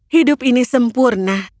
hidup ini sempurna